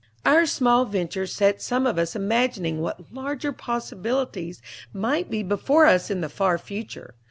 Our small venture set some of us imagining what larger possibilities might be before us in the far future.